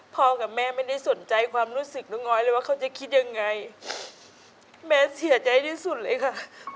กับแม่ไม่ได้สนใจความรู้สึกน้องน้อยเลยว่าเขาจะคิดยังไงแม่เสียใจที่สุดเลยค่ะ